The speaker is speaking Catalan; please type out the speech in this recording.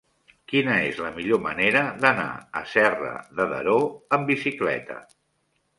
Quina és la millor manera d'anar a Serra de Daró amb bicicleta?